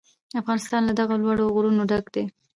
افغانستان له دغو لوړو غرونو ډک دی.